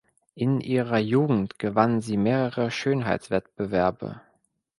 In ihrer Jugend gewann sie mehrere Schönheitswettbewerbe.